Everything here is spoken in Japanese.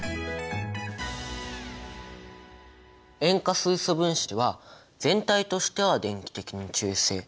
塩化水素分子は全体としては電気的に中性。